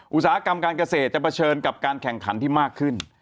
อุตสาหกรรมการเกษตรจะเผชิญกับการแข่งขันที่มากขึ้น